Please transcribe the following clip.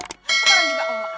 sekarang juga mau makan